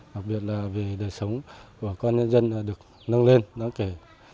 đặc biệt là về đời sống của con nhân dân được nâng lên đáng kể